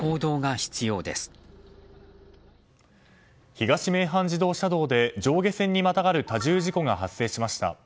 東名阪自動車道で上下線にまたがる多重事故が発生しました。